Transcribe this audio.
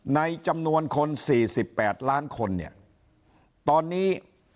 ในจำนวนคน๔๘ล้านคนเนี่ยตอนนี้